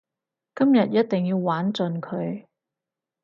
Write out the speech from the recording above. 今日一定要玩盡佢